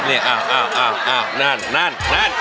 อ้าวนั่น